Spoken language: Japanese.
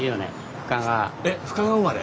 えっ深川生まれ？